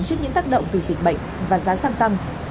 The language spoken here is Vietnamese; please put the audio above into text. trước những tác động từ dịch bệnh và giá xăng tăng